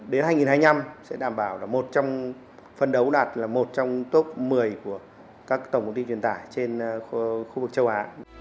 đến hai nghìn hai mươi năm sẽ đảm bảo là một trong phân đấu đạt là một trong top một mươi của các tổng công ty truyền tải trên khu vực châu á